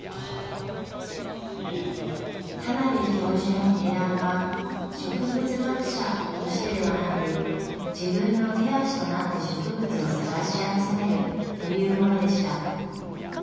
田邊教授の提案は植物学者としてではなく自分の手足となって植物を探し集めるというものでした。